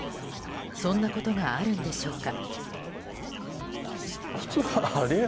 そんなことがあるんでしょうか。